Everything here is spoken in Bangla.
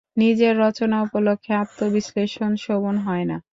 নিজের রচনা উপলক্ষে আত্মবিশ্লেষণ শোভন হয় না।